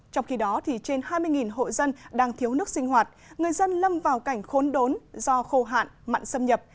trong khi đó trên hai mươi hộ dân đang thiếu nước sinh hoạt người dân lâm vào cảnh khốn đốn do khô hạn mặn xâm nhập